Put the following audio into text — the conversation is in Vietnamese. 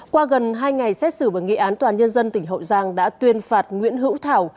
qua gần hai ngày xét xử bởi nghị án toàn nhân dân tỉnh hậu giang đã tuyên phạt nguyễn hữu thảo